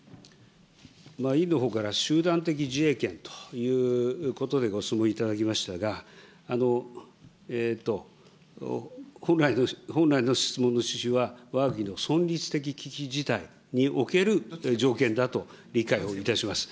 委員のほうから、集団的自衛権ということでご質問いただきましたが、本来の質問の趣旨は、わが国の存立的危機事態における条件だと理解をいたします。